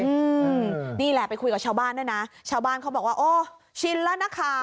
อืมนี่แหละไปคุยกับชาวบ้านด้วยนะชาวบ้านเขาบอกว่าโอ้ชินแล้วนะคะ